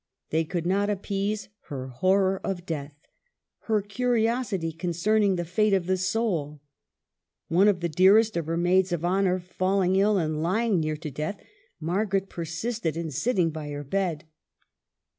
They could not appease her horror of death, her curiosity concerning the fate of the soul. One of the dearest of her maids of honor falling ill and lying near to death, Margaret persisted in sitting by her bed.